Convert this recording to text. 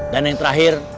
dan yang terakhir